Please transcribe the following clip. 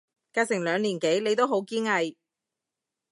隔成兩年幾你都好堅毅